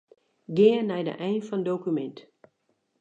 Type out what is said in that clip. Gean nei de ein fan dokumint.